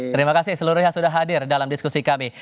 terima kasih seluruhnya sudah hadir dalam diskusi kami